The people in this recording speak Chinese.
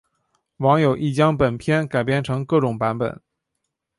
网友亦将本片改编成各种版本。